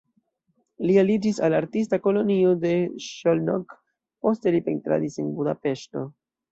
Li aliĝis al artista kolonio de Szolnok, poste li pentradis en Budapeŝto.